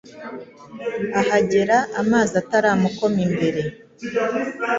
ahagera amazi ataramukoma imbere.